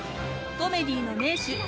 コメディーの名手根本